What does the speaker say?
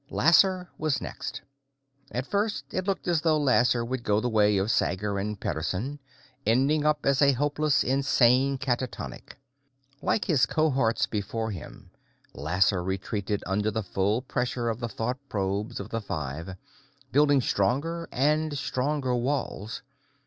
Lasser was next. At first, it looked as though Lasser would go the way of Sager and Pederson, ending up as a hopelessly insane catatonic. Like his cohorts before him, Lasser retreated under the full pressure of the thought probes of the five, building stronger and stronger walls.